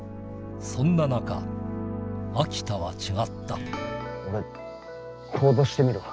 そんな中秋田は違ったえ？